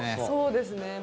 そうですね。